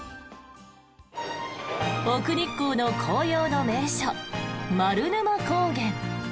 奥日光の紅葉の名所、丸沼高原。